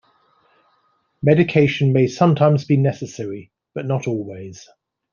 Medication may sometimes be necessary, but not always.